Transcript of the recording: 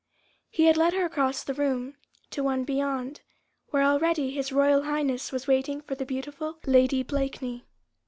He had led her across the room, to one beyond, where already His Royal Highness was waiting for the beautiful Lady Blakeney.